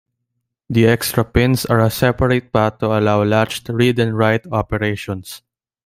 The extra pins are a separate path to allow latched read and write operations.